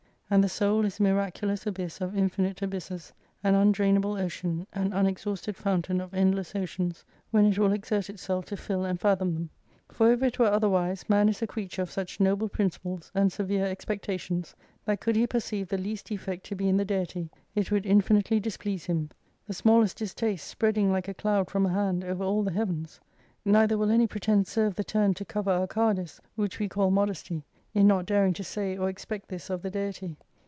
And the soul is a miraculous abyss of infinite abysses, an undrainable ocean, an unexhausted fountain of endless oceans, when it will exert itself to fill and fathom them. For if it were otherwise man is a creature of such noble principles and severe expectations, that could he perceive the least defect to be in the Deity, it would infinitely dis please him : The smallest distaste, spreading hke a cloud from a hand over all the Heavens. Neither will any pretence serve the turn to cover our cowardice, which we call modesty, in not daring to say or expect this of the Deity.